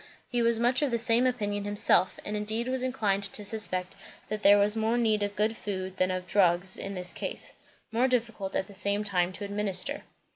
He was much of the same opinion himself; and indeed was inclined to suspect that there was more need of good food than of drugs in this case. More difficult at the same time to administer.